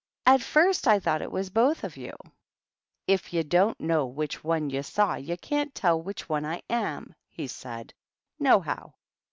" At first I thought it was both of you." " If you don't know which one you saw, you can't tell which one I am," he said, "nohow."